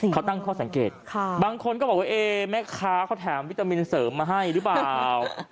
เขาตั้งข้อสังเกตบางคนก็บอกว่าเอ๊แม่ค้าเขาแถมวิตามินเสริมมาให้หรือเปล่า